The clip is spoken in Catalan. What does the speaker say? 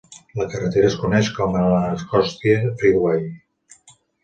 La carretera es coneix com l'Anacostia Freeway.